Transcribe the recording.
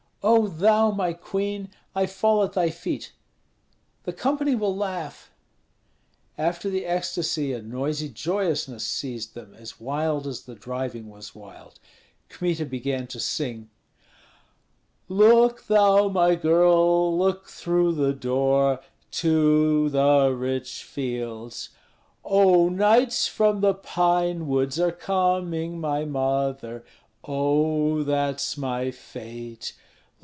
"O thou, my queen! I fall at thy feet." "The company will laugh." After the ecstasy a noisy joyousness seized them, as wild as the driving was wild. Kmita began to sing, "Look thou, my girl! look through the door, To the rich fields! Oh, knights from the pine woods are coming, my mother, Oh, that's my fate!